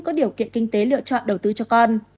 có điều kiện kinh tế lựa chọn đầu tư cho con